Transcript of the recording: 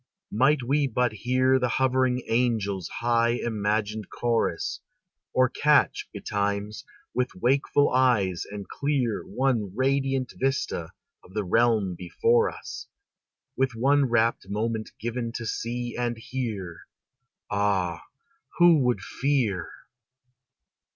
Might we but hear The hovering angels' high imagined chorus, Or catch, betimes, with wakeful eyes and clear One radiant vista of the realm before us, With one rapt moment given to see and hear, Ah, who would fear?